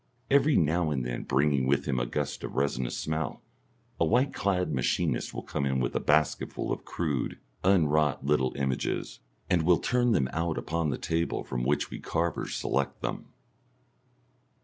Every now and then, bringing with him a gust of resinous smell, a white clad machinist will come in with a basketful of crude, unwrought little images, and will turn them out upon the table from which we carvers select them.